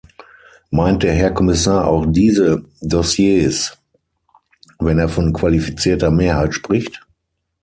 Meint der Herr Kommissar auch diese Dossiers, wenn er von qualifizierter Mehrheit spricht?